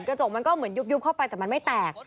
กระจกมันก็เหมือนยุบเข้าไปแต่มันไม่แตก